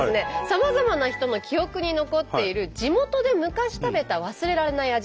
さまざまな人の記憶に残っている地元で昔食べた忘れられない味。